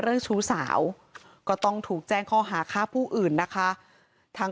เรื่องชูสาวก็ต้องถูกแจ้งข้อหาคาบผู้อื่นนะคะทาง